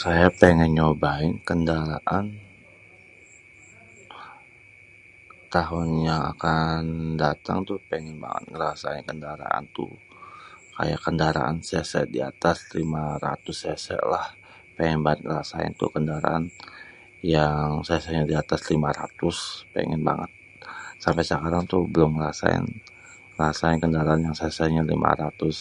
saya pengen nyobain kendaraan tahun yang akan datang tuh pengen banget ngerasain kendaraan tu kayak kendaraan cc di atas 500cc lah.. pengen banget ngerasain tu kendaraan yang cc-nya di atas 500 pengen banget.. sampe sekarang tu belum ngerasain rasanya kendaraan yang cc-nya 500..